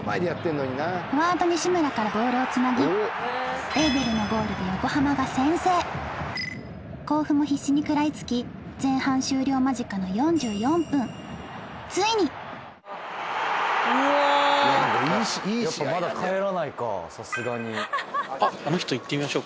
フォワード・西村からボールをつなぎエウベルのゴールで甲府も必死に食らいつき前半終了間近の４４分やっぱまだ帰らないかさすがに。